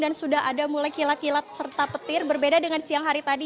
sudah ada mulai kilat kilat serta petir berbeda dengan siang hari tadi